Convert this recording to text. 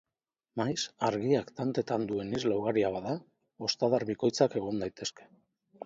Maiz, argiak tantetan duen isla ugaria bada, ostadar bikoitzak egon daitezke.